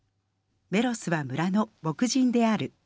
メロスは村の牧人である」。